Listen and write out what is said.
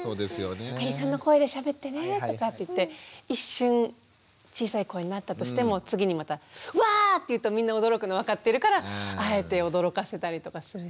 「アリさんの声でしゃべってね」とかって言って一瞬小さい声になったとしても次にまた「わあ！」って言うとみんな驚くの分かってるからあえて驚かせたりとかするし。